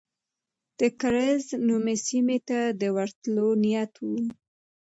د کرز نومي سیمې ته د ورتلو نیت و.